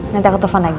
nanti aku telfon lagi